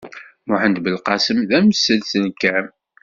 Muḥend Belqasem, d amsenselkam.